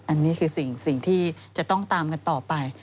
อันนี้คือสิ่งที่จะต้องตามกันต่อไป